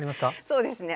そうですね。